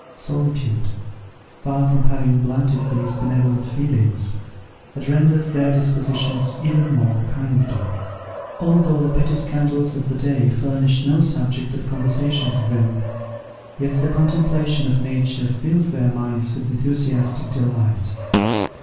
Solitude, far from having blunted these benevolent feelings, had rendered their dispositions even more kindly. Although the petty scandals of the day furnished no subject of conversation to them, yet the contemplation of nature filled their minds with enthusiastic delight.